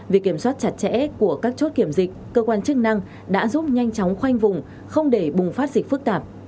việc kiểm soát chặt chẽ của các chốt kiểm dịch cơ quan chức năng đã giúp nhanh chóng khoanh vùng không để bùng phát dịch phức tạp